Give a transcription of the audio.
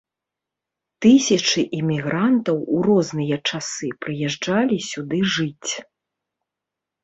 Тысячы эмігрантаў у розныя часы прыязджалі сюды жыць.